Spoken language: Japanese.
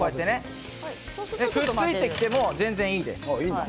くっついても全然いいです。